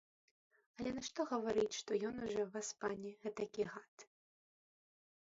Але нашто гаварыць, што ён ужо, васпане, гэтакі гад.